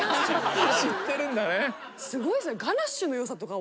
すごいですね。